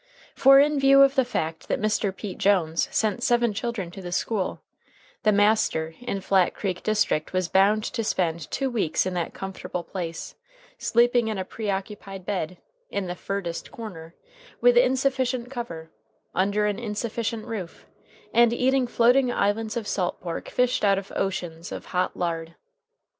For in view of the fact that Mr. Pete Jones sent seven children to the school, the "master" in Flat Creek district was bound to spend two weeks in that comfortable place, sleeping in a preoccupied bed, in the "furdest corner," with insufficient cover, under an insufficient roof, and eating floating islands of salt pork fished out of oceans of hot lard.